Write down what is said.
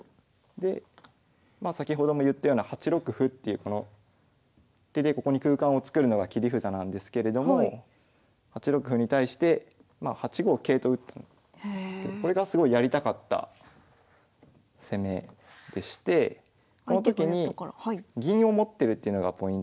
でまあ先ほども言ったような８六歩っていうこの手でここに空間を作るのが切り札なんですけれども８六歩に対してまあ８五桂と打ったんですけどこれがすごいやりたかった攻めでしてこのときに銀を持ってるっていうのがポイントで。